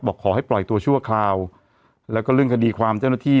ขอให้ปล่อยตัวชั่วคราวแล้วก็เรื่องคดีความเจ้าหน้าที่